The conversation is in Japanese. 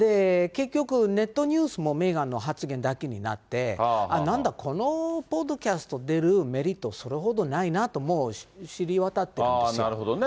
結局、ネットニュースもメーガンの発言だけになって、なんだ、このポッドキャスト出るメリット、それほどないなと、なるほどね。